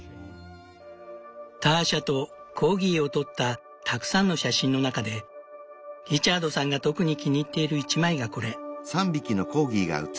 ターシャとコーギーを撮ったたくさんの写真の中でリチャードさんが特に気に入っている一枚がこれ。